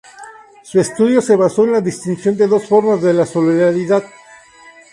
Su estudio se basó en la distinción de dos formas de solidaridad.